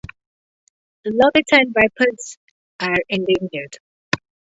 Lebetine vipers are endangered.